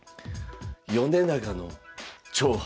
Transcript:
「米長の挑発⁉」。